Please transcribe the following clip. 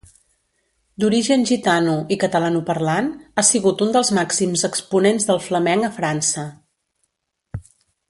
D'origen gitano i catalanoparlant, ha sigut un dels màxims exponents del flamenc a França.